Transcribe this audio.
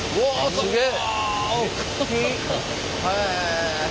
すげえ！